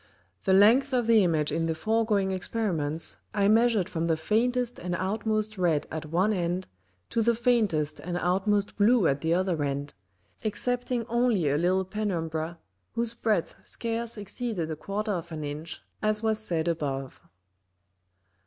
The length of the Image in the foregoing Experiments, I measured from the faintest and outmost red at one end, to the faintest and outmost blue at the other end, excepting only a little Penumbra, whose breadth scarce exceeded a quarter of an Inch, as was said above.